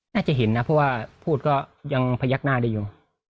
น่าจะเห็นนะเพราะว่าพูดก็ยังพยักหน้าได้อยู่